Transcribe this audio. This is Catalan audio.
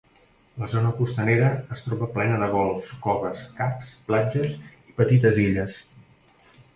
La zona costanera es troba plena de golfs, coves, caps, platges i petites illes.